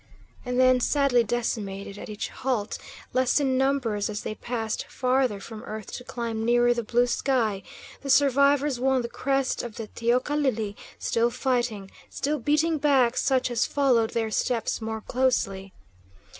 And then, sadly decimated at each halt, less in numbers as they passed farther from earth to climb nearer the blue sky, the survivors won the crest of the teocalli, still fighting, still beating back such as followed their steps more closely.